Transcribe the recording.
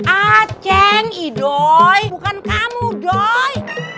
acing idoi bukan kamu doi